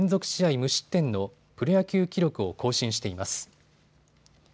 無失点のプロ野球記録を更新しています。